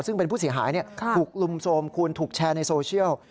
ซึ่งเป็นผู้เสียหายถูกลุมโทรมคุณถูกแชร์ในโซเชียล